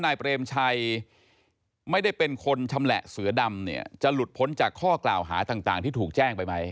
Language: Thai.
นายเปรมชัยไม่ได้เป็นคนชำแหละเสือดำเนี่ยจะหลุดพ้นจากข้อกล่าวหาต่างที่ถูกแจ้งไปไหม